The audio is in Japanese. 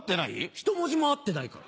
ひと文字も合ってないから。